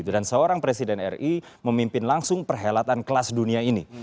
dan seorang presiden ri memimpin langsung perhelatan kelas dunia ini